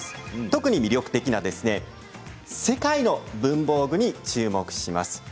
特に魅力的な世界の文房具に注目します。